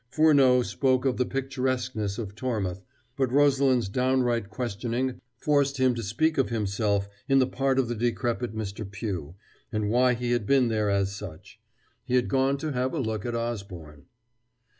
Furneaux spoke of the picturesqueness of Tormouth, but Rosalind's downright questioning forced him to speak of himself in the part of the decrepit Mr. Pugh, and why he had been there as such. He had gone to have a look at Osborne.